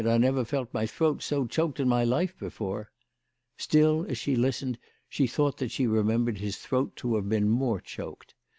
I never felt my throat so choked in my life before !" Still as she listened she thought that she remembered his throat to have been more choked.